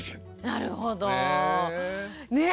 なるほど。ねえ。